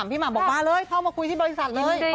พี่หม่าแหล่งเขาก็บอกไปมาโบสถ์ประสบคุยกับประโยชน์